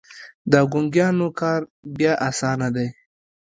د ګونګيانو کار بيا اسانه دی.